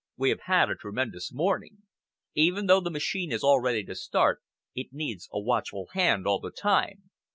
We have had a tremendous morning. Even though the machine is all ready to start, it needs a watchful hand all the time."